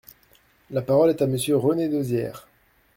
La parole est à Monsieur René Dosière.